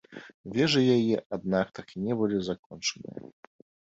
Вежы яе, аднак, так і не былі закончаныя.